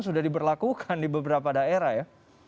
sudah diberlakukan di beberapa daerah ya